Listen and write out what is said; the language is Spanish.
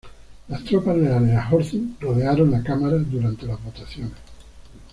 Las tropas leales a Horthy rodearon la Cámara durante las votaciones.